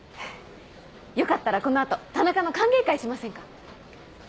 よかったらこの後田中の歓迎会しませんか？